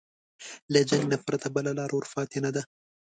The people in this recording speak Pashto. له جنګ نه پرته بله لاره ورته پاتې نه ده.